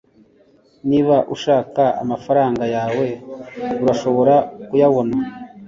niba ushaka amafaranga yawe, urashobora kuyabona